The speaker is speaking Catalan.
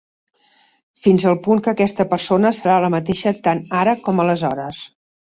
Fins al punt que aquesta persona serà la mateixa tant ara com aleshores.